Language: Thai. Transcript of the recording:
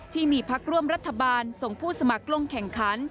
ที่มีพักร่วมรัฐบาลส่งผู้สมัครลงแข่งขัน